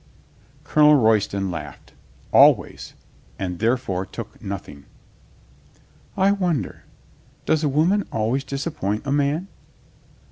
Colonel Royston laughed. "Always. And there fore took nothing." "I wonder ... Does a woman always dis appoint a man?"